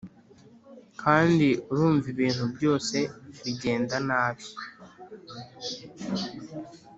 kandi urumva ibintu byose bigenda nabi.